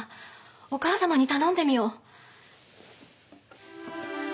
お母様に頼んでみよう。